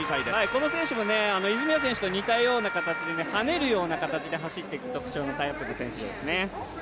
この選手も泉谷選手と似たような形ではねるような形で走っていく特徴の選手ですね。